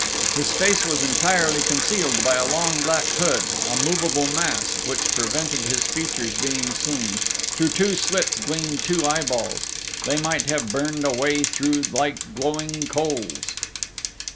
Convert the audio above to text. His face was entirely concealed by a long black hood, a movable mask, which prevented his features being seen: through two slits gleamed two eyeballs: they might have burned a way through like glowing coals.